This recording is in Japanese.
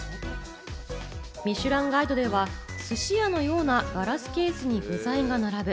『ミシュランガイド』では寿司屋のようなガラスケースに具材が並ぶ。